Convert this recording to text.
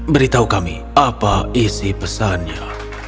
beritahu kami apa isi pesannya